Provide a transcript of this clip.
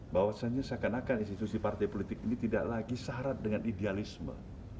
bahwasannya seakan akan institusi partai politik ini tidak lagi syarat dengan idealisme